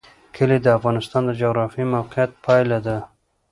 کلي د افغانستان د جغرافیایي موقیعت پایله ده.